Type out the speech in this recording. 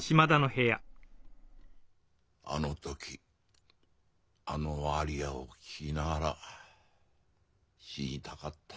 あの時あのアリアを聴きながら死にたかった。